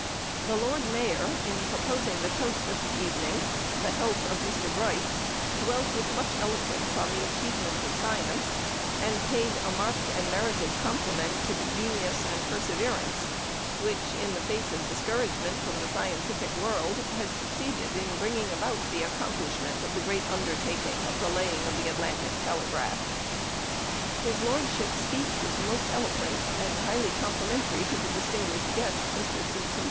The Lord Mayor, in proposing the toast of the evening, "The health of Mr. Bright," dwelt with much eloquence on the achievements of science, and paid a marked and merited compliment to the genius and perseverance which, in the face of discouragement from the scientific world, had succeeded in bringing about the accomplishment of the great undertaking of the laying of the Atlantic telegraph. His lordship's speech was most eloquent, and highly complimentary to the distinguished guest, Mr. C. T.